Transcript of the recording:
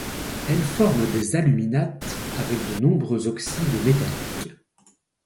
Elle forme des aluminates avec de nombreux oxydes métalliques.